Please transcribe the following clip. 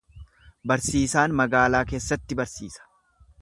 Barsiisaan magaalaa keessatti barsiisa.